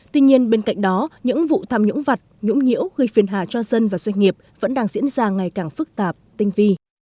tuy nhiên bên cạnh đó những vụ tham nhũng vật nhũng nhiễu gây phiền hà cho dân và doanh nghiệp vẫn đang diễn ra ngày càng phức tạp tinh vi